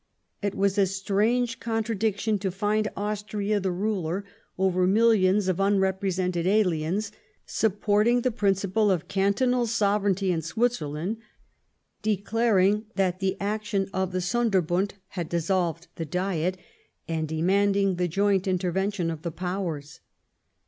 It was a strange contradiction to find Austria, the ruler over millions of unrepresented aliens, sup« porting the principle of cantonal sovereignty in Switzer land, declaring that the action of the Sonderbund had dissolved the Diet, and demanding the joint intervention of the Powers.